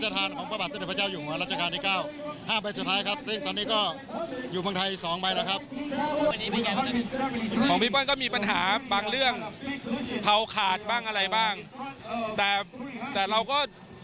ทานทางเรื่องเพาขาดบ้างอะไรบ้างแต่เราก็